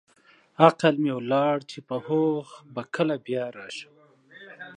عقل مې ولاړ چې په هوښ به کله بیا راشم.